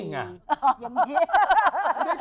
อ๋อยังมี